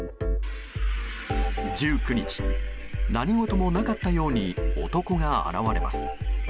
１９日、何事もなかったように男が現れます。